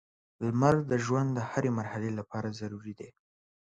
• لمر د ژوند د هرې مرحلې لپاره ضروري دی.